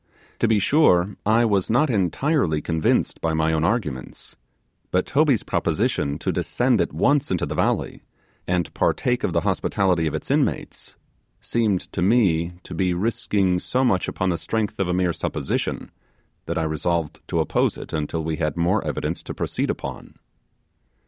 To be sure I was not entirely convinced by my own arguments, but Toby's proposition to descend at once into the valley, and partake of the hospitality of its inmates, seemed to me to be risking so much upon the strength of a mere supposition, that I resolved to oppose it until we had more evidence to proceed upon.